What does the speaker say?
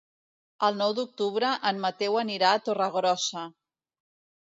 El nou d'octubre en Mateu anirà a Torregrossa.